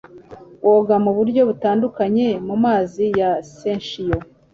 Woga mu buryo butandukanye mumazi ya Serchio